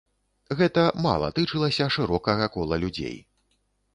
Гэта мала тычылася шырокага кола людзей.